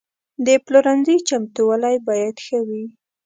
د پلورنځي چمتووالی باید ښه وي.